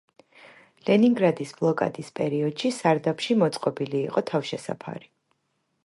ლენინგრადის ბლოკადის პერიოდში სარდაფში მოწყობილი იყო თავშესაფარი.